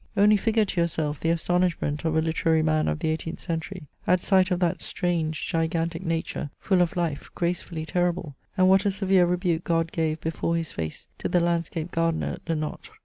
Only figure to yourself the astonishment of a hterary man of the eighteenth century at sight of that strange gigantic I Nature, full of life, gracefully terrible ; and what a severe rebuke God gave before his face to the landscape gardener Le Notre.